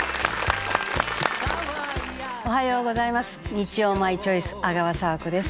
『日曜マイチョイス』阿川佐和子です。